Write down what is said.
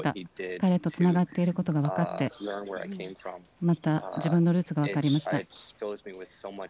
彼とつながっていることが分かって、また自分のルーツが分かりました。